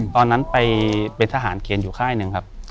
ตอนนั้นไปเป็นทหารเกณฑ์อยู่ค่ายหนึ่งครับ